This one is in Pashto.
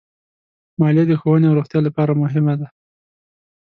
مالیه د ښوونې او روغتیا لپاره مهمه ده.